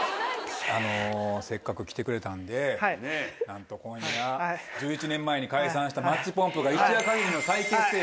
せっかく来てくれたんでなんと今夜１１年前に解散したマッチポンプが。